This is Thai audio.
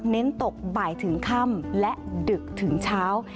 เน้นตกบ่ายถึงค่ำและดึกถึงเช้า